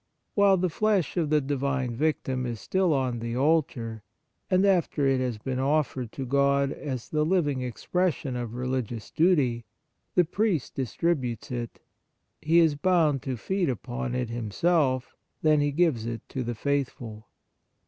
While the flesh of the Divine Victim is still on the altar, and after it has been offered to God as the living expression of re ligious duty, the priest distributes it. He is bound to feed upon it himself; then he gives it to the faithful.